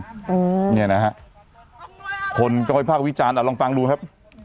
อืมเนี่ยนะฮะอำนวยอะไรคนก็ไม่พลาดวิจารณ์อ่ะลองฟังดูครับ